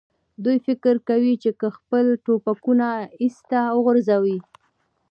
دوی فکر کوي، چې که خپل ټوپکونه ایسته وغورځوي.